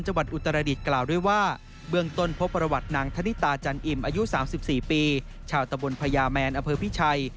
จันอิ่มอายุ๓๔ปีชาวตะวนพญาแมนอเภอพิชัย